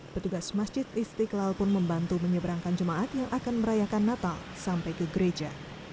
petugas masjid istiqlal pun membantu menyeberangkan jemaat yang akan merayakan natal sampai ke gereja